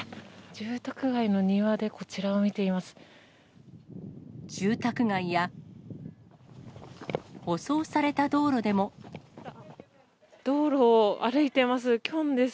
住宅街の庭でこちらを見ています。